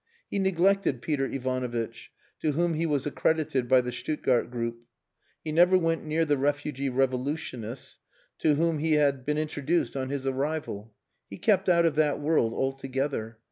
He neglected Peter Ivanovitch, to whom he was accredited by the Stuttgart group; he never went near the refugee revolutionists, to whom he had been introduced on his arrival. He kept out of that world altogether.